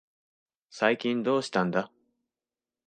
最近どうしたんだ。